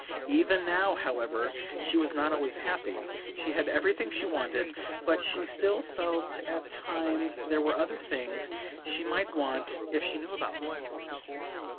Even now, however, she was not always happy. She had everything she wanted, but she still felt, at times, that there were other things she might want if she knew about them.